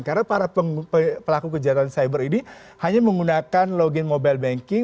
karena para pelaku kejahatan cyber ini hanya menggunakan login mobile banking